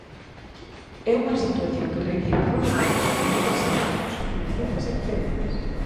É unha situación que require, polo tanto, medidas e accións inmediatas e diferentes.